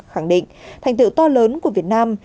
khẳng định thành tựu to lớn của việt nam